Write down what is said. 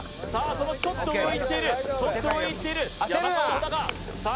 そのちょっと上をいっているちょっと上をいっている山川穂高さあ